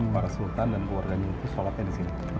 para sultan dan keluarga hindu sholatnya di sini